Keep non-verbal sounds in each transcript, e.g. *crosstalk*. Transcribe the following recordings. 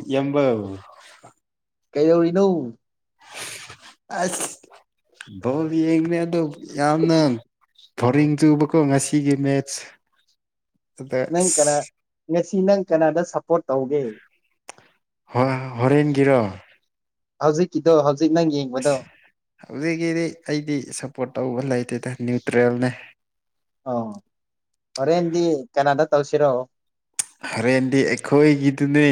ꯏꯌꯥꯝꯕꯥ *inaudible* ꯀꯩꯗꯧꯔꯤꯅꯣ ꯑꯁ ꯕꯣꯜ ꯌꯦꯡꯅꯦ ꯑꯗꯣ ꯌꯥꯝꯅ ꯐꯣꯔꯤꯡ ꯆꯨꯕꯥ ꯀꯣ ꯉꯥꯁꯤꯒꯤ ꯃꯠꯆ ꯅꯪ ꯀꯅꯥ ꯉꯁꯤ ꯅꯪ ꯀꯅꯥꯗ ꯁꯞꯄꯣꯔꯠ ꯇꯧꯒꯦ ꯍꯣꯔꯦꯟꯒꯤꯔꯣ ꯍꯧꯖꯤꯛ ꯀꯤꯗꯣ ꯍꯧꯖꯤꯛ *inaudible* ꯌꯦꯡꯕꯗꯣ ꯑꯁ ꯍꯧꯖꯤꯛꯀꯤꯗꯤ ꯑꯩꯗꯤ ꯁꯞꯄꯣꯔꯠ ꯇꯧꯕ ꯂꯩꯇꯦꯗ ꯅ꯭ꯌꯨꯇ꯭ꯔꯦꯜꯅꯦ ꯑ ꯍꯣꯔꯦꯟꯗꯤ ꯀꯅꯥꯗ ꯇꯧꯁꯤꯔꯣ ꯍꯣꯔꯦꯟꯗꯤ ꯑꯩꯈꯣꯏꯒꯤꯗꯨꯅꯦ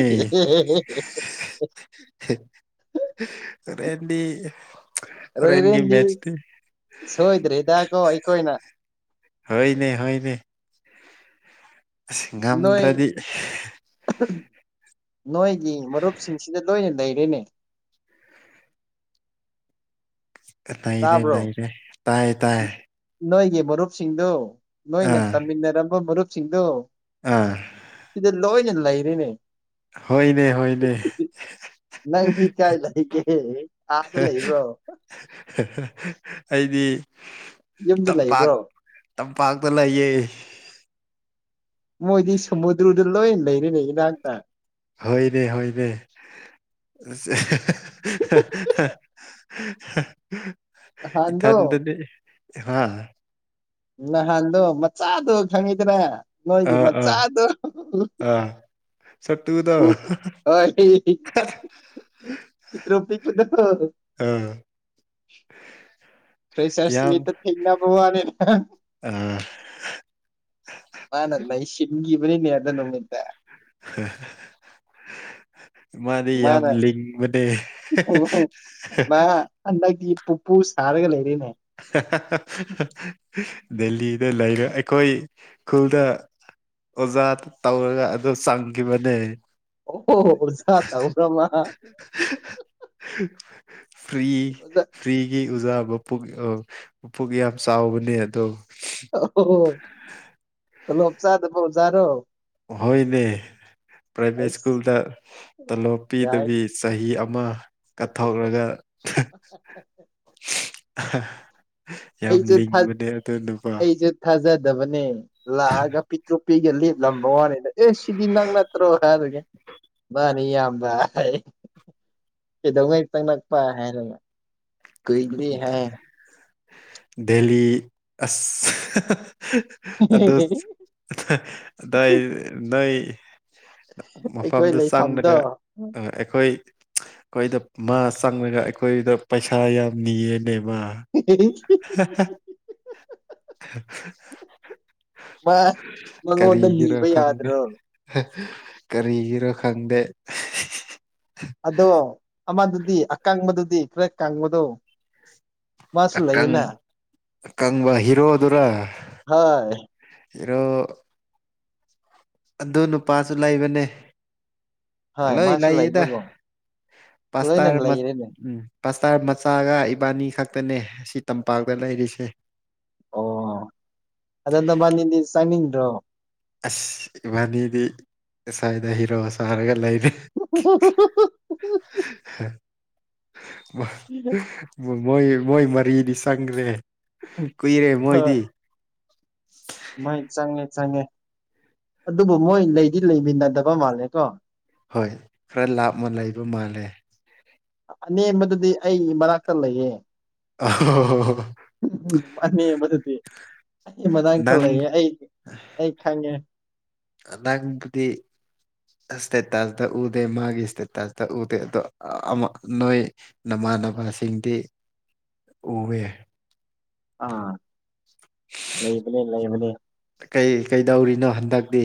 ꯍꯣꯔꯦꯟꯗꯤ ꯍꯣꯔꯦꯟꯒꯤ ꯍꯣꯔꯦꯟꯗꯤ ꯃꯦꯠꯁꯇꯤ *inaudible* ꯁꯣꯏꯗ꯭ꯔꯦꯗꯥ ꯀꯣ ꯑꯩꯈꯣꯢꯅꯥ ꯍꯣꯏꯅꯦ ꯍꯣꯢꯅꯦ ꯑꯁ ꯅꯣꯏ ꯉꯝꯗ꯭ꯔꯗꯤ ꯅꯣꯏꯒꯤ ꯃꯔꯨꯞꯁꯤꯡꯁꯤꯗ ꯂꯣꯏꯅ ꯂꯩꯔꯦꯅꯦ ꯅꯩꯔꯦ ꯇꯥꯕ꯭ꯔꯣ ꯅꯩꯔꯦ ꯇꯥꯏ ꯇꯥꯏ ꯅꯣꯏꯒꯤ ꯃꯔꯨꯞꯁꯤꯡꯗꯨ ꯅꯣꯏꯅ ꯑꯥ ꯇꯝꯃꯤꯟꯅꯔꯝꯕ ꯃꯔꯨꯞꯁꯤꯡꯗꯨ ꯑꯥ *unintelligible* ꯂꯣꯏꯅ ꯂꯩꯔꯤꯅꯦ ꯍꯣꯏꯅꯦ ꯍꯣꯏꯅꯦ ꯅꯪꯗꯤ ꯀꯥꯏ ꯂꯩꯒꯦ ꯑꯥꯗ ꯂꯩꯕ꯭ꯔꯣ *unintelligible* ꯑꯩꯗꯤ ꯌꯨꯝꯗ ꯇꯝꯄꯥꯛ ꯂꯩꯕ꯭ꯔꯣ ꯇꯝꯄꯥꯛꯇ ꯂꯩꯌꯦ ꯃꯣꯏꯗꯤ ꯁꯃꯨꯗ꯭ꯔꯗꯨ ꯂꯣꯏ ꯂꯩꯔꯦꯅꯦ ꯏꯅꯥꯛꯇ ꯍꯣꯏꯅꯦ ꯍꯣꯏꯅꯦ ꯅꯍꯥꯟꯗꯣ ꯏꯊꯟꯗꯗꯤ ꯍꯥꯥ ꯅꯍꯥꯟꯗꯣ ꯃꯆꯥꯗꯣ ꯈꯪꯉꯤꯗ꯭ꯔꯦ ꯑꯥ ꯅꯣꯏꯒꯤ ꯑꯥ ꯃꯆꯥꯥ ꯑꯗꯨ ꯑꯥ ꯁꯛꯇꯨꯗꯣ ꯎ ꯍ ꯏꯇ꯭ꯔꯣꯄꯤꯤꯗ ꯑꯥ ꯐ꯭ꯔꯦꯁꯔꯁ ꯌꯥꯝ ꯃꯤꯇ ꯊꯦꯡꯅꯕꯣꯅꯤ ꯑꯥ ꯃꯥꯅ ꯁꯤꯒꯤꯕꯅꯤ ꯅꯔꯗ ꯅꯅꯨꯡꯃꯤꯠꯇ *inaudible* ꯃꯥꯗꯤ ꯌꯥꯝ ꯃꯥꯅꯦ ꯂꯤꯡꯕꯅꯦ ꯃꯥ ꯑ ꯄꯨꯄꯨ ꯁꯥꯒ ꯂꯩ *unintelligible* ꯗꯦꯜꯂꯤꯗ ꯂꯩꯔꯦ ꯑꯩꯈꯣꯏ ꯈꯨꯜꯗ ꯑꯣꯖꯥ ꯇꯧꯔꯒ ꯑꯗꯨ ꯆꯪꯈꯤꯕꯅꯦ ꯑꯣ ꯁꯥ ꯇ꯭ꯔꯃ ꯐ꯭ꯔꯤ ꯐ꯭ꯔꯤꯒꯤ ꯑꯣꯖꯥ ꯃꯛ ꯄꯨ ꯄꯨꯛ ꯌꯥꯝ ꯆꯥꯎꯕꯅꯦ ꯑꯗꯣ ꯂꯣ ꯎꯞ ꯆꯥꯗ ꯐꯣꯖꯥꯔꯣ ꯍꯣꯏꯅꯦ ꯄ꯭ꯔꯥꯏꯚꯦꯠ ꯑꯁ ꯁ꯭ꯀꯨꯜꯗ ꯇꯂꯣꯞ ꯌꯥꯏ ꯄꯤꯗꯕꯤ ꯆꯍꯤ ꯑꯃ ꯀꯠꯊꯣꯛꯔꯒ ꯌꯥꯝ ꯑꯩꯁꯨ ꯂꯤꯡꯕꯅꯦ ꯑꯗꯨ ꯅꯨꯄꯥ ꯑꯩꯁꯨꯦ ꯊꯥꯖꯗꯕꯅꯦ ꯂꯥꯛꯑꯒ ꯄꯤꯛꯇ꯭ꯔꯣ ꯄꯄꯤꯒ ꯂꯤꯞꯂꯝꯕ ꯋꯥꯅꯤꯗ ꯑꯦ ꯁꯤꯗꯤ ꯅꯪ ꯅꯠꯇ꯭ꯔꯣ ꯍꯥꯏꯔꯒꯦ ꯃꯥꯅꯤ ꯃꯤ ꯌꯥꯝꯕ ꯀꯩꯗꯧꯉꯩ ꯇꯪꯂꯛꯄ ꯍꯥꯏꯔꯅ ꯀꯣꯏꯒꯤ ꯍꯥꯏ ꯗꯦꯂꯤ ꯑꯁ ꯑꯗꯨ ꯑꯗꯥꯏ ꯅꯣꯏ ꯑꯩꯈꯣꯏ ꯃꯐꯝꯗꯨ ꯂꯩꯐꯝꯗꯣ ꯆꯪꯂꯒ ꯑꯩꯈꯣꯏ ꯑꯩꯈꯣꯏꯗ ꯃꯥ ꯆꯪꯉꯒ ꯑꯩꯈꯣꯏꯗ ꯄꯩꯁꯥ ꯌꯥꯝ ꯅꯤꯌꯦꯅꯦꯕ ꯋꯥ ꯃꯥ ꯃꯉꯣꯟꯗ ꯀꯔꯤꯒꯤꯔꯣ ꯅꯤꯕ ꯈꯪꯗꯦ ꯌꯥꯗ꯭ꯔꯣ ꯀꯔꯤꯒꯤꯔꯣ ꯈꯪꯗꯦ ꯑꯗꯣ ꯑꯃꯗꯨꯗꯤ ꯑꯀꯥꯡꯕꯗꯨꯗꯤ ꯈꯔꯦꯛ ꯀꯥꯡꯥꯡꯕꯗꯣ ꯃꯁ ꯂꯩꯅ ꯀꯪꯕ ꯍꯤꯔꯣꯗꯨꯔ ꯍꯣꯏ ꯐꯔꯣ ꯑꯗꯨ ꯅꯨꯄꯥꯁꯨ ꯂꯩꯕꯅꯦ ꯍꯣꯏ ꯂꯣꯏ ꯃꯥꯁꯨ ꯂꯩꯥꯏꯌꯦꯗ ꯂꯩꯕꯒꯨꯝ ꯂꯣꯏꯅ ꯄꯥꯁꯇꯥꯔ ꯂꯩꯔꯦꯅꯦ ꯎꯝ ꯄꯁꯇꯥꯔ ꯃꯆꯥꯒ ꯏꯕꯥꯅꯤ ꯈꯛꯇꯅꯦ ꯑꯁꯤ ꯇꯝꯄꯥꯛꯇ ꯂꯩꯔꯤꯁꯦ ꯑꯣ ꯑꯗꯣ ꯅꯕꯥꯅꯤꯗꯤ *unintelligible* ꯑꯁ ꯏꯕꯥꯅꯤꯗꯤ ꯉꯁꯥꯏꯗ ꯍꯤꯔꯣ ꯁꯥꯔꯒ ꯂꯩꯔꯤ *inaudible* ꯃꯣꯏ ꯃꯣꯏ ꯃꯔꯤꯗꯤ ꯁꯪꯈ꯭ꯔꯦ ꯀꯨꯏꯔꯦ ꯍꯣꯏ ꯃꯣꯍꯤꯗꯤ ꯃꯣꯏ ꯆꯪꯉꯦ ꯆꯪꯉꯦ ꯑꯗꯨꯕꯨ ꯃꯣꯏ ꯂꯩꯗꯤ ꯂꯩꯃꯤꯟꯅꯗꯕ ꯃꯥꯜꯂꯦꯀꯣ ꯍꯣꯏ ꯈꯔ ꯂꯥꯞꯅ ꯂꯩꯕ ꯃꯥꯜꯂꯦ ꯑꯅꯦꯝꯕꯗꯨꯗꯤ ꯑꯩ ꯃꯅꯥꯛꯇ ꯂꯩꯌꯦ ꯑ ꯎ ꯃꯥꯅꯤ ꯃꯗꯗꯤ ꯑꯩ ꯃꯇꯅꯥꯥꯡꯛꯇ ꯅꯪ ꯂꯩꯌꯦ ꯑꯩ ꯑꯩ ꯈꯪꯉꯦ ꯑꯥꯡꯒꯕꯨꯗꯤ ꯑꯁꯦ ꯇꯥꯁꯇ ꯎꯗꯦ ꯃꯥꯒꯤ ꯏꯁꯇꯦ ꯇꯥꯁꯇ ꯎꯗꯦ ꯑꯗꯨꯣ ꯑꯃ ꯅꯣꯏ ꯅ ꯏꯃꯥꯟꯅꯕꯁꯤꯡꯗꯤ ꯎꯑꯦ ꯑꯥ ꯂꯩꯕꯅꯦ ꯂꯩꯕꯅꯦ ꯀꯩ ꯀꯩꯗꯧꯔꯤꯅꯣ ꯍꯟꯗꯛꯇꯤ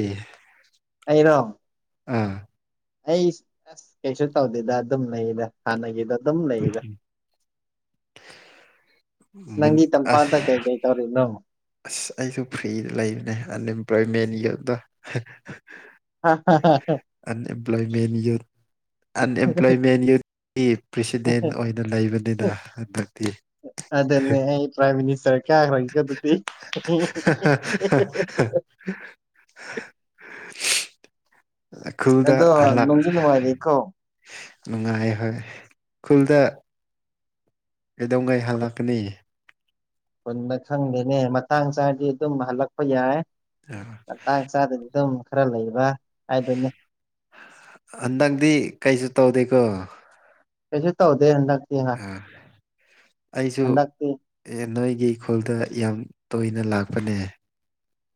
ꯑꯩꯔꯣ ꯎꯝ ꯑꯩ ꯑꯁ ꯀꯩꯁꯨ ꯇꯧꯗꯦꯗ ꯑꯗꯨꯝ ꯂꯩꯗ ꯍꯥꯟꯅꯒꯤꯗ ꯀ ꯑꯗꯨꯝ ꯂꯩꯗ ꯅꯪꯒꯤ ꯑ ꯇꯝꯄꯥꯛꯇ ꯀꯩ ꯀꯩ ꯇꯧꯔꯤꯅꯣ ꯑꯁ ꯑꯩꯁꯨ ꯐ꯭ꯔꯤꯗ ꯂꯩꯕꯅꯦ ꯑꯟꯑꯦꯝꯄ꯭ꯂꯣꯏꯃꯦꯟꯒꯤ ꯑꯗ ꯑ ꯄ꯭ꯂꯣꯌꯃꯦꯟ ꯌ ꯑꯟꯑꯝꯄ꯭ꯂꯣꯌꯃꯦꯟ ꯌ ꯄ꯭ꯔꯦꯁꯤꯗꯦꯟ ꯑꯣꯏꯅ ꯂꯩꯕꯅꯤꯅ ꯍꯟꯗꯛꯇꯤ ꯑꯗꯨꯗꯅꯦ ꯑꯩ ꯄ꯭ꯔꯥꯏꯝ ꯃꯤꯅꯤꯁꯇꯔ ꯀꯌꯥꯈ꯭ꯔꯒ ꯑꯗꯨꯗꯤ *inaudible* ꯈꯨꯜꯗ ꯑꯗꯣ ꯍꯜꯂꯛ ꯅꯨꯡꯗꯤ ꯅꯨꯡꯉꯥꯏꯔꯤꯀꯣ ꯅꯨꯡꯉꯥꯏ ꯍꯣꯏ ꯈꯨꯜꯗ ꯀꯩꯗꯧꯉꯩ ꯍꯜꯂꯛꯀꯅꯤ ꯀꯨꯟꯟꯅ ꯈꯪꯗꯦꯅꯦ ꯃꯇꯥꯡ ꯆꯥꯗꯤ ꯑꯗꯨꯝ ꯍꯜꯂꯛꯄ ꯌꯥꯏ ꯑ, ꯃꯇꯥꯡ ꯆꯥꯗꯗꯤ ꯑꯗꯨꯝ ꯈꯔ ꯂꯩꯕ ꯍꯥꯏꯗꯨꯅꯤ ꯍꯟꯗꯪꯗꯤ ꯀꯩꯁꯨ ꯇꯧꯗꯦꯀꯣ ꯇꯁꯦ ꯇ ꯑ ꯑꯩꯁꯨ ꯍꯟꯗꯛꯇꯤ ꯅꯣꯏ ꯑꯩꯒꯤ ꯏꯈꯣꯜꯗ ꯌꯥꯝ ꯇꯣꯏꯅ ꯂꯥꯛꯄꯅꯦ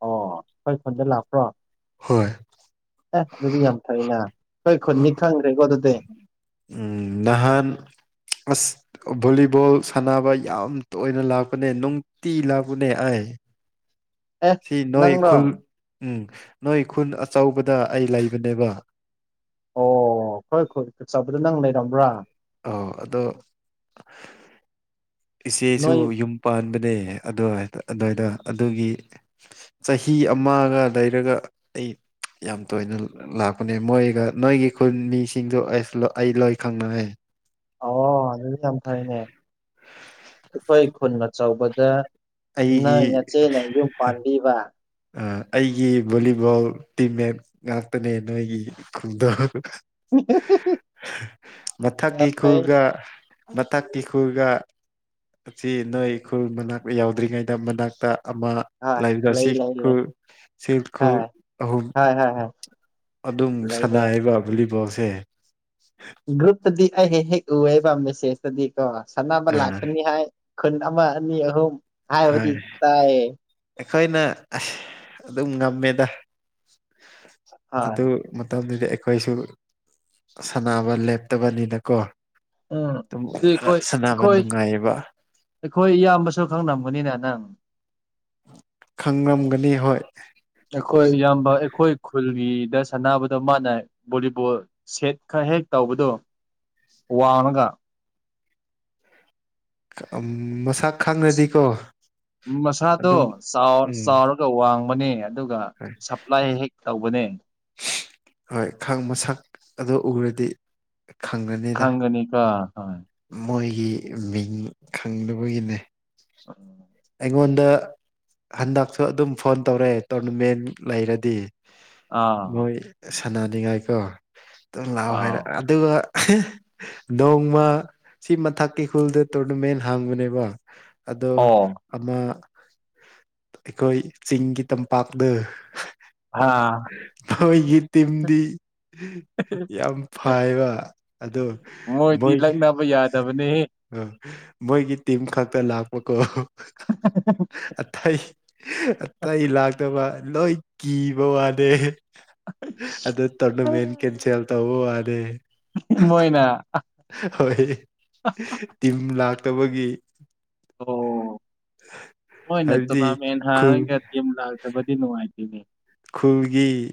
ꯑꯣ ꯑꯩꯈꯣꯏ ꯈꯨꯣꯟꯗ ꯂꯥꯛꯄ꯭ꯔꯣ ꯍꯣꯏ ꯑꯗꯨꯗꯤ ꯌꯥꯝ ꯐꯩꯅ ꯑꯩꯈꯣꯏ ꯈꯨꯠꯅꯤ ꯈꯪꯗ꯭ꯔꯦꯀꯣ ꯑꯗꯨꯗꯤ ꯎ ꯅꯍꯥꯟ ꯑꯁ ꯚꯣꯂꯤꯕꯣꯜ ꯁꯥꯟꯅꯕ ꯌꯥꯝ ꯇꯣꯏꯅ ꯂꯥꯛꯄꯅꯦ ꯅꯨꯡꯇꯤ ꯂꯥꯛꯄꯅꯦ ꯑꯩ ꯎꯝ ꯑꯦ ꯁꯤ ꯅꯣꯏ ꯅꯪꯔꯣ ꯈꯨꯜ ꯎꯝ ꯅꯣꯏ ꯈꯨꯟ ꯑꯆꯧꯕꯗ ꯑꯩ ꯂꯩꯕꯅꯦꯕ ꯑꯣ ꯑꯩꯣꯏ ꯍꯣꯏ ꯈꯨꯠ ꯆꯕꯗ ꯅꯪ ꯂꯩꯔꯝꯕ꯭ꯔꯥ ꯑ ꯑꯗꯣ ꯏꯆꯦꯁꯨ ꯅꯣꯏ ꯌꯨꯝ ꯄꯥꯟꯕ ꯅ ꯑꯗꯨꯏ ꯑꯗꯨꯏꯗ ꯑꯗꯨꯒꯤ ꯆꯍꯤ ꯑꯃꯒ ꯂꯩꯔꯒ ꯑꯩ ꯌꯥꯝ ꯇꯣꯏꯅ ꯂꯥꯛꯄꯅꯦ ꯃꯣꯏꯒ ꯅꯣꯏꯒꯤ ꯈꯨꯟ ꯃꯤꯁꯤꯡꯗꯨ ꯑꯩ ꯂꯣꯏ ꯈꯪꯅꯔꯦ ꯑ ꯑꯗꯨ ꯌꯥꯝ ꯐꯩꯅꯦ ꯑꯩꯈꯣꯏ ꯈꯨꯟ ꯑꯆꯧꯕꯗ ꯑꯩꯒꯤ ꯅꯪ ꯅꯆꯦꯅ ꯌꯨꯝ ꯄꯥꯟꯕꯤꯕ ꯑꯩꯒꯤ ꯚꯣꯂꯤꯕꯣꯜ ꯇꯤꯝꯃꯦꯠ ꯉꯥꯛꯇꯅꯦ ꯅꯣꯏꯒꯤ ꯈꯨꯡꯗꯪ ꯃꯊꯛꯀꯤ ꯌꯥꯝ ꯐꯩ ꯈꯨꯔꯒ ꯃꯅꯥꯀꯤ ꯈꯨꯜꯒ ꯑꯁꯤ ꯅꯣꯏ ꯈꯨꯜ ꯃꯅꯥꯛꯇ ꯌꯥꯎꯗ꯭ꯔꯤꯉꯩꯗ ꯃꯅꯥꯛꯇ ꯑꯃ ꯍꯣꯏ ꯂꯥꯏꯕꯗ ꯂꯩ ꯁꯤ ꯂꯩ ꯈꯨ ꯂꯩ ꯁꯤꯜ ꯈꯨꯨ ꯍꯣꯏ ꯑꯍꯨꯝ ꯍꯣꯏ ꯍꯣꯏ ꯍꯣꯏ ꯑꯗꯨꯝ ꯂꯩ ꯂꯩ ꯁꯅꯥꯕ ꯚꯣꯂꯤꯕꯣꯁꯦ ꯒ꯭ꯔꯨꯞꯇꯗꯤ ꯑꯩ ꯍꯦꯛ ꯍꯦꯛ ꯎꯕ ꯃꯦꯁꯦꯖꯇꯗꯤ ꯀꯣ ꯁꯥꯟꯅꯕ ꯑ ꯂꯥꯛꯀꯅꯤ ꯍꯥꯏ ꯈꯨꯟ ꯑꯃ ꯑꯅꯤ ꯑꯍꯨꯝ ꯍꯣꯏ ꯍꯥꯏꯕꯗꯤ ꯇꯥꯏꯌꯦ ꯑꯩꯈꯣꯏꯅ ꯑꯁ ꯑꯗꯨꯝ ꯉꯝꯃꯦꯗ ꯍꯣꯏ ꯑꯗꯨ ꯃꯇꯝꯗꯨꯗꯤ ꯑꯩꯈꯣꯏꯁꯨ ꯁꯥꯟꯅꯕ ꯂꯦꯞꯇꯕꯅꯤꯅꯀꯣ ꯎꯝ ꯑꯗꯨꯝ ꯑꯗꯨꯗꯤ ꯈꯔ ꯑꯩꯈꯣꯏ ꯁꯥꯟꯅꯕ ꯑꯩꯈꯣꯏ ꯅꯨꯡꯉꯥꯏꯌꯦꯕ ꯑꯩꯈꯣꯏ ꯏꯌꯥꯝꯕꯁꯨ ꯈ ꯈꯪꯅꯥ ꯃꯨꯅꯤꯅ ꯅꯪ ꯈꯪꯔꯝꯒꯅꯤ ꯍꯣꯏ ꯑꯩꯈꯣꯏ ꯏꯌꯥꯝꯕ ꯑꯩꯈꯣꯏ ꯈꯨꯜꯒꯤꯗ ꯁꯥꯟꯅꯕꯗꯣ ꯃꯥꯅ ꯕꯣꯂꯤꯕꯣꯜ ꯁꯦꯠ ꯈꯔ ꯍꯦꯛ ꯇꯧꯕꯗꯣ ꯋꯥꯅꯒ ꯃꯁꯥ ꯃꯁꯥꯗꯣ ꯑꯗꯨꯝ ꯎꯝ ꯆꯥꯎꯔꯒ ꯋꯥꯡ ꯇꯅꯦ ꯑꯗꯨꯒ ꯍꯣꯏ ꯁꯄ꯭ꯂꯥꯏ ꯍꯦꯛ ꯇꯧꯕꯅꯦ ꯍꯣꯏ ꯈ ꯃꯁꯛ ꯑꯗꯣ ꯎꯔꯗꯤ ꯈꯪꯒꯅꯤꯗ ꯈꯪꯒꯅꯤ ꯀꯥ ꯍꯥ ꯃꯣꯏꯒꯤ ꯃꯤꯡ ꯈꯪꯗꯅꯕꯒꯤꯅꯦ ꯎꯝ ꯑꯩꯉꯣꯟꯗ ꯍꯟꯗꯛꯁꯨ ꯑꯗꯨꯝ ꯐꯣꯟ ꯇꯧꯔꯛꯑꯦ ꯇꯣꯔꯅꯃꯦꯟ ꯂꯩꯔꯗꯤ ꯑꯥ ꯃꯣꯏ ꯁꯥꯟꯅꯅꯤꯡꯉꯥꯏ ꯀꯣ ꯑꯗꯨꯝ ꯂꯥꯛꯑꯣ ꯑꯥꯎ ꯍꯥꯏꯔꯛ ꯑꯗꯨꯒ ꯅꯣꯡꯃ ꯁꯤ ꯃꯊꯛꯀꯤ ꯈꯨꯜꯗ ꯇꯣꯔꯅꯃꯦꯟ ꯍꯥꯡꯕꯅꯦꯕ ꯑꯗꯣ ꯑꯣ ꯑꯃ ꯑꯩꯈꯣꯏ ꯆꯤꯡꯒꯤ ꯇꯝꯄꯥꯛꯅ ꯍꯥ ꯊꯣꯏꯒꯤ ꯇꯦꯝꯗꯤ ꯌꯥꯝ ꯐꯕ ꯑꯗꯣ ꯃꯣꯏꯗꯤ ꯃꯣꯏꯒꯤ ꯂꯛꯅꯕ ꯌꯥꯗꯕꯅꯦ ꯑꯝ ꯃꯣꯏꯒꯤ ꯇꯤꯝ ꯈꯛꯇ ꯂꯥꯛꯄꯀꯣ ꯑꯇꯩꯇꯩ ꯂꯥꯛꯇꯕ ꯂꯣꯏ ꯀꯤꯕ ꯋꯥꯗꯦ ꯑꯗꯨꯗ ꯇꯧꯅ ꯃꯦꯟ ꯀꯟꯁ ꯍꯦꯜꯇꯥꯎ ꯑꯗꯦ ꯃꯣꯏꯅꯥ ꯍꯣꯏ ꯇꯤꯝ ꯂꯥꯛꯇꯕꯒꯤ ꯑꯣ ꯍꯣꯏꯅ ꯍꯥꯏꯕꯗꯤ ꯇꯣꯔꯅꯥꯃꯦꯟ ꯈꯨꯜ ꯍꯥꯡꯔꯒ ꯤꯝ ꯂꯥꯛꯇꯕꯗꯤ ꯅꯨꯡꯉꯥꯏꯇꯦ *unintelligible* ꯁ꯭ꯀꯨꯜꯒꯤ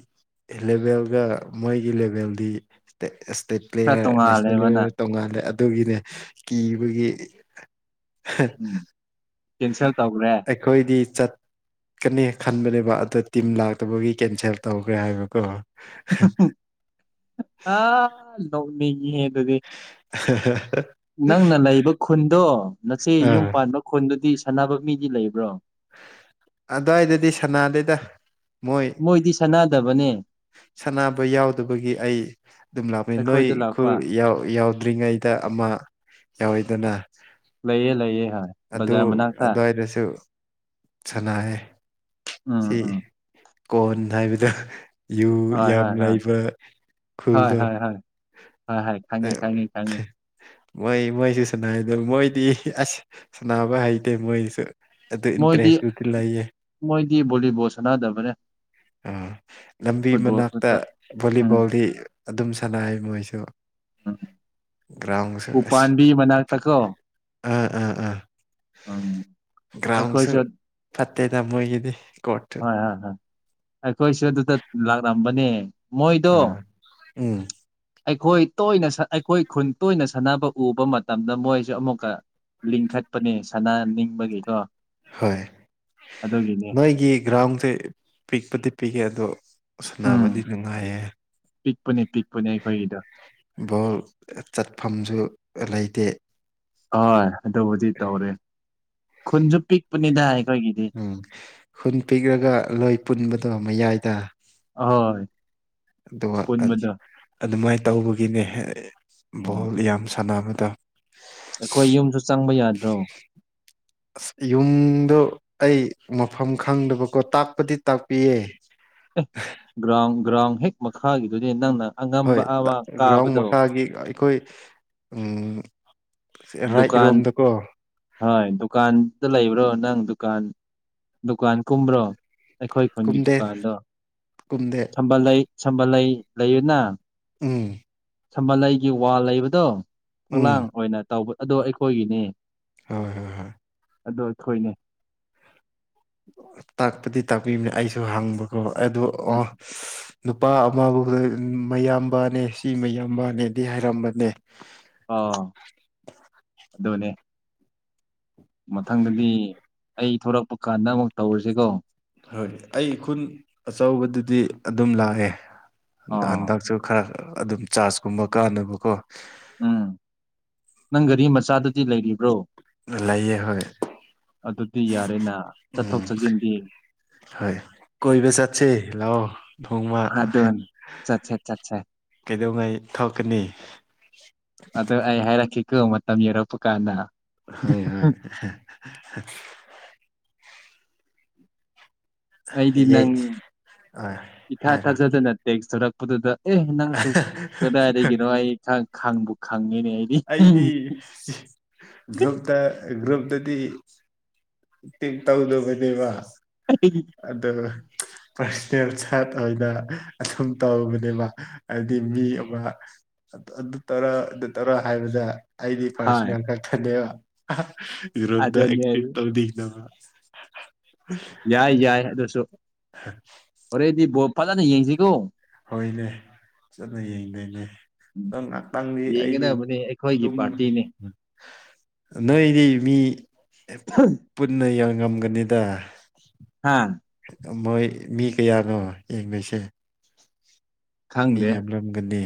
ꯂꯦꯚꯦꯜꯒ ꯃꯣꯏꯒꯤ ꯂꯦꯚꯦꯜꯗꯤ ꯏꯁꯇꯦꯠ ꯈꯔ ꯄ꯭ꯂꯦꯌꯔ ꯅꯦꯁꯅꯦꯜ ꯇꯣꯡꯉꯥꯜꯂꯦꯕ ꯄ꯭ꯂꯦꯌꯔꯗ ꯅꯪ ꯇꯣꯡꯉꯥꯜꯂꯦ ꯑꯗꯨꯒꯤꯅꯦ ꯀꯤꯕꯒꯤ ꯎꯝ ꯀꯦꯟꯁꯦꯜ ꯇꯧꯈ꯭ꯔꯦ ꯑꯩꯈꯣꯏꯗꯤ ꯆꯠꯀꯅꯤ ꯈꯟꯕꯅꯦꯕ ꯑꯗꯣ ꯇꯤꯝ ꯂꯥꯛꯇꯕꯒꯤ ꯀꯦꯟꯁꯦꯜ ꯇꯧꯈ꯭ꯔꯦ ꯍꯥꯏꯕꯀꯣ ꯑꯥ ꯅꯣꯛꯅꯤꯡꯉꯍꯦ ꯑꯗꯨꯗꯤ *inaudible* ꯅꯪꯅ ꯂꯩꯕ ꯈꯨꯟꯗꯣ ꯅꯆꯦ ꯌꯨꯝ ꯑꯥ ꯄꯥꯟꯕ ꯈꯨꯟꯗꯨꯗꯤ ꯁꯥꯟꯅꯕ ꯃꯤꯗꯤ ꯂꯩꯕ꯭ꯔꯣ ꯑꯗꯨꯋꯥꯏꯗꯗꯤ ꯁꯅꯥꯗꯩꯗ ꯃꯣꯏꯗꯤ ꯁꯥꯟꯅꯗꯕꯅꯦ ꯁꯥꯟꯅꯕ ꯌꯥꯎꯗꯕꯒꯤ ꯑꯩ ꯑꯗꯨꯝ ꯂꯥꯛꯄꯅꯤ ꯅꯣꯏ ꯑꯩꯈꯣꯏꯗ ꯈꯨ ꯂꯥꯛꯄ ꯌꯥꯎꯗ꯭ꯔꯤꯉꯩꯗ ꯑꯃ ꯌꯥ ꯂꯩꯑ ꯂꯩꯑꯦ ꯍꯣꯏ ꯕꯖꯥꯔ ꯃꯅꯥꯛꯇ ꯁꯅꯥꯦ ꯎꯝ ꯎꯝ ꯀꯣꯟ ꯍꯥꯏꯕꯗ ꯌꯨ ꯍꯣꯏ ꯌꯥꯝ ꯍꯣꯏ ꯍꯣꯏ ꯂꯩꯕ ꯍꯣꯏ ꯈꯜꯗ ꯍꯣꯏ ꯍꯣꯏ ꯍꯣꯏ ꯍꯣꯏ ꯈꯪꯉꯦ ꯈꯪꯉꯦ ꯈꯪꯉꯦ ꯃꯣꯏ ꯃꯣꯏꯁꯨ ꯁꯥꯟꯅꯥꯩꯗ ꯃꯣꯏꯗꯤ ꯑꯁ ꯁꯥꯟꯅꯕ ꯍꯩꯇꯦ ꯃꯣꯏꯁꯨ ꯑꯗꯨ ꯏꯟꯇꯔꯦꯁꯕꯨꯗꯤ ꯂꯩꯌꯦ ꯒꯤꯕꯣꯂꯤꯕꯣꯜ ꯁꯅꯗꯕ꯭ꯔꯦ ꯑꯥ ꯂꯝꯕꯤ ꯃꯅꯥꯛꯇ ꯈꯛꯇ ꯎꯝ ꯚꯣꯂꯤꯕꯣꯜꯗꯤ ꯑꯗꯨꯝ ꯁꯥꯟꯅꯩ ꯃꯣꯏꯁꯨ ꯑ ꯭ꯔꯥꯎꯟꯁꯨ ꯎꯥ ꯎ ꯑ ꯎꯝ ꯭ꯔꯥꯎꯝꯁꯨ ꯑꯩꯈꯣꯏꯁꯨ ꯐꯠꯇꯦ ꯇꯃ ꯍꯣꯏ ꯍꯣꯏ ꯍꯣꯏ ꯑꯩꯈꯣꯏꯁꯨ ꯑꯗꯨꯗ ꯂꯥꯛꯂꯝꯝꯕꯅꯦ ꯃꯣꯏꯗꯣ ꯑꯥ ꯎꯝ ꯑꯩꯈꯣꯏ ꯇꯣꯏꯅ ꯑꯩꯈꯣꯏ ꯈꯨꯟ ꯇꯣꯏꯅ ꯁꯥꯟꯅꯕ ꯎꯕ ꯃꯇꯝꯗ ꯃꯣꯏꯁꯨꯦ ꯑꯃꯨꯛꯀ ꯂꯤꯡꯈꯠꯄꯅꯦ ꯁꯅꯥ ꯅꯤꯡꯕꯒꯤꯗꯣ ꯍꯣꯏ ꯅꯣꯏꯒꯤ ꯒ꯭ꯔꯥꯎꯁꯦ ꯄꯤꯛꯄꯗꯤ ꯄꯤꯛꯑꯦ ꯑꯗꯣ ꯎꯝ ꯁꯥꯟꯅꯕꯗꯤ ꯅꯨꯡꯉꯥꯏꯌꯦ ꯄꯤꯛꯄꯅꯦ ꯄꯤꯛꯄꯅꯦ ꯑꯩꯈꯣꯏꯒꯤꯗꯣ ꯕꯣꯜ ꯆꯠꯐꯝꯁꯨ ꯂꯩꯇꯦ ꯍꯣꯏ ꯑꯗꯨꯕꯨꯗꯤ ꯇꯧꯔꯦ ꯈꯨꯟꯁꯨ ꯄꯤꯛꯄꯅꯤꯗ ꯑꯩꯈꯣꯏꯒꯤꯗꯤ ꯎꯝ ꯈꯨꯟ ꯄꯤꯛꯂꯒ ꯂꯣꯏ ꯄꯨꯟꯕꯗꯣ ꯃꯌꯥꯏꯗ ꯑꯣꯏ ꯑꯗꯨꯒ ꯑꯗꯨꯃꯥꯏꯅ ꯇꯧꯕꯒꯤꯅꯦ ꯎꯝ ꯕꯣꯜ ꯌꯥꯝ ꯁꯥꯟꯅꯕ ꯑꯩꯈꯣꯏ ꯌꯨꯝꯁꯨ ꯆꯪꯕ ꯌꯥꯗ꯭ꯔꯣ ꯌꯨꯝꯗ ꯑꯩ ꯃꯐꯝ ꯈꯪꯗꯕꯀꯣ ꯇꯥꯛꯄꯗꯤ ꯇꯥꯛꯄꯤꯌꯦ ꯑꯦ ꯒ꯭ꯔꯥꯎꯟ ꯒ꯭ꯔꯥꯎꯟ ꯍꯦꯛ ꯃꯈꯥꯒꯤꯗꯨꯗꯤ ꯅꯪꯅ ꯍꯣꯏ ꯑꯉꯝꯕ ꯑꯃ ꯒ꯭ꯔꯥꯎꯟ ꯀꯥꯕꯗꯣ ꯃꯈꯥꯒꯤ ꯑꯩꯈꯣꯏ ꯎ ꯗꯨꯀꯥꯟ ꯍꯣꯏ ꯗꯨꯀꯥꯟꯗ ꯂꯩꯕ꯭ꯔꯣ ꯅꯪ ꯗꯨꯀꯥꯟ ꯗꯨꯀꯥꯟ ꯀꯨꯝꯕ꯭ꯔꯣ ꯑꯩꯈꯣꯏ ꯈꯨꯟꯒꯤ ꯀꯨꯝꯗꯦ ꯗꯨꯀꯥꯟꯗꯣ ꯀꯨꯝꯗꯦ ꯁꯝꯕꯜ ꯁꯝꯕꯜ ꯂꯩꯩ ꯂꯩꯌꯅ ꯎꯝ ꯁꯝꯕꯜꯂꯩꯒꯤ ꯋꯥ ꯂꯩꯕꯗꯣ ꯎꯝ ꯐꯛꯂꯥꯡ ꯑꯣꯏꯅ ꯇꯧꯕ ꯑꯗꯣ ꯑꯩꯈꯣꯏꯒꯤꯅꯤ ꯍꯣꯏ ꯍꯣꯏꯣꯏ ꯑꯗꯣ ꯑꯩꯈꯣꯏꯅꯦ ꯇꯥꯛꯄꯗꯤ ꯇꯥꯛꯄꯤꯕꯅꯦ ꯑꯩꯁꯨ ꯍꯪꯕꯀꯣ ꯑꯗꯨ ꯎꯝ ꯑꯣ ꯅꯨꯄꯥ ꯑꯃꯕꯨꯥꯎꯗ ꯃꯌꯥꯝꯕꯅꯦ ꯁꯤ ꯃꯌꯥꯝꯕꯅꯦꯗꯤ ꯍꯥꯏꯔꯝꯕꯅꯦ ꯑꯣ ꯑꯗꯨꯗꯣꯅꯦ ꯃꯊꯪꯗꯗꯤ ꯑꯩ ꯊꯣꯔꯛꯄ ꯀꯥꯟꯗ ꯑꯃꯨꯛ ꯇꯧꯔꯁꯤꯀꯣ ꯍꯣꯏ ꯑꯩ ꯏꯈꯨꯜ ꯑꯆꯧꯕꯗꯨꯗꯤ ꯑꯗꯨꯝ ꯂꯥꯛꯑꯦ ꯑꯥ ꯍꯟꯗꯛꯁꯨ ꯈꯔp ꯑꯗꯨꯝ ꯆꯥꯔꯖꯀꯨꯝꯕ ꯀꯥꯟꯅꯕꯀꯣ ꯎꯝ ꯅꯪ ꯒꯥꯔꯤ ꯃꯆꯥꯗꯗꯤ ꯂꯩꯔꯤꯕ꯭ꯔꯣ ꯂꯩꯌꯦ ꯍꯣꯏ ꯑꯗꯨꯗꯤ ꯌꯥꯔꯦꯅꯥ ꯆꯠꯊꯣꯛ ꯎꯝ ꯆꯠꯁꯤꯟꯗꯤ ꯍꯣꯏ ꯀꯣꯏꯕ ꯆꯥꯁꯤ ꯂꯑꯣ ꯊꯣꯡꯃ ꯑꯗꯨꯟ ꯆꯠꯁꯦ ꯆꯠꯁꯦ ꯀꯩꯗꯧꯉꯩ ꯊꯣꯛꯀꯅꯤ ꯑꯗꯨꯗ ꯑꯩ ꯍꯥꯏꯔꯛꯈꯤꯀꯣ ꯃꯇꯝ ꯌꯧꯔꯛꯄ ꯀꯥꯟꯗ ꯍꯣꯏ ꯍꯣꯏ ꯑꯩꯗꯤ ꯌꯦ ꯅꯪ ꯑ ꯏꯊꯥ ꯍꯥꯏꯔꯣ ꯊꯥꯖꯗꯅ ꯇꯦꯛꯊꯣꯔꯛ ꯄꯗꯨꯗ ꯑꯦ ꯅꯪꯁꯨ ꯀꯗꯥꯏꯗꯒꯤꯅꯣ ꯑꯩ ꯈꯪꯕꯨ ꯈꯪꯉꯤꯅꯦ ꯑꯩꯗꯤ ꯒ꯭ꯔꯨꯞꯇ ꯒ꯭ꯔꯨꯞꯇꯗꯤ ꯇꯧꯗꯕꯅꯦꯕ ꯑꯩ ꯑꯗꯨ ꯄꯔꯁꯅꯦꯜ ꯁꯥꯠ ꯑꯣꯏꯅ ꯑꯗꯨꯝ ꯇꯧꯕꯅꯦꯕ ꯍꯥꯏꯗꯤ ꯃꯤ ꯑꯃ ꯑꯗꯨ ꯇꯧꯔ ꯑꯗꯨ ꯇꯧꯔ ꯍꯥꯏꯕꯗ ꯑꯩꯗꯤ ꯍꯣꯏ ꯄꯥꯔꯁꯅꯦꯜ ꯀꯇꯅꯦꯦꯕ ꯒ꯭ꯔꯨꯞ ꯑꯦ ꯑꯗꯨꯅꯦ *inaudible* *unintelligible* ꯌꯥꯏ ꯌꯥꯏ ꯑꯗꯨꯁꯨ ꯍꯣꯔꯦꯟꯗꯤ ꯕꯣꯞ ꯐꯖꯅ ꯌꯦꯡꯁꯤꯒꯣ ꯍꯣꯏꯅꯦ ꯆꯠꯂ ꯌꯦꯡꯗꯣꯏꯅꯦ ꯎꯝ ꯑꯗꯣ ꯉꯥꯏꯍꯥꯛꯇꯪꯗꯤ ꯑꯩꯗꯤ ꯌꯦꯡꯒꯗꯕꯅꯤ ꯑꯩꯈꯣꯏꯒꯤ ꯇꯨꯝ ꯄꯥꯔꯇꯤꯅꯤ ꯅꯣꯏꯗꯤ ꯃꯤ ꯄꯨꯟꯅ ꯉꯝꯒꯅꯤꯗ ꯍꯥꯥ ꯃꯣꯏ ꯃꯤ ꯀꯌꯥꯅꯣ ꯌꯦꯡꯅꯁꯦ ꯃꯤ ꯈꯪꯗꯦ ꯌꯥꯝꯔꯝꯒꯅꯤ